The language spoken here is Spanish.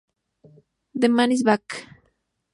The Man Is Back!